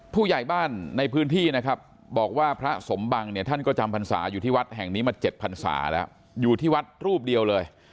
ผู้ใหญ่บ้านในพื้นที่นะครับบอกว่าพระสมบังเนี่ยท่านก็จำพรรษาอยู่ที่วัดแห่งนี้มา๗พันศาแล้วอยู่ที่วัดรูปเดียวเลย